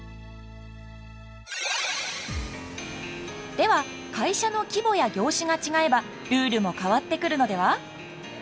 では会社の規模や業種が違えばルールも変わってくるのでは？